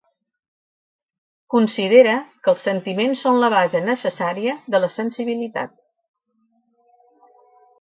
Considera que els sentiments són la base necessària de la sensibilitat.